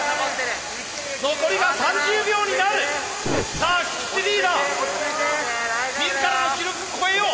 さあ菊池リーダー自らの記録超えよう。